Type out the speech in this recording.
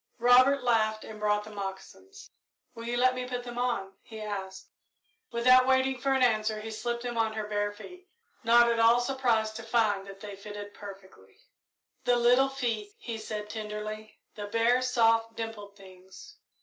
Robert laughed and brought the moccasins. "Will you let me put them on?" he asked. Without waiting for an answer he slipped them on her bare feet, not at all surprised to find that they fitted perfectly. "The little feet," he said, tenderly; "the bare, soft, dimpled things!"